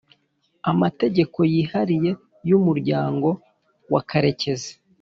amategeko yihariye y Umuryango wa Karekezi